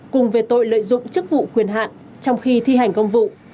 cùng về tội lợi dụng chức vụ quyền hạn trong khi thi hành công vụ